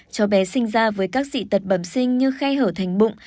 cháu bé sinh ra với các dị tật bẩm sinh như khay hở thành bụng